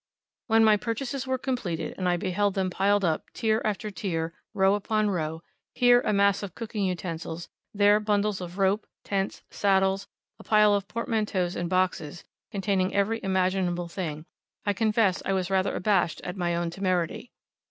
When my purchases were completed, and I beheld them piled up, tier after tier, row upon row, here a mass of cooking utensils, there bundles of rope, tents, saddles, a pile of portmanteaus and boxes, containing every imaginable thing, I confess I was rather abashed at my own temerity.